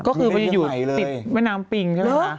ก็คือไปอยู่ติดแม่น้ำปิงใช่ไหมคะ